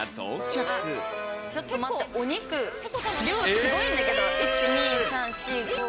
ちょっと待って、お肉、量すごいんだけど。